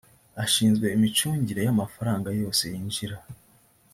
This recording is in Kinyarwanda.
ashinzwe imicungire y’amafaranga yose yinjira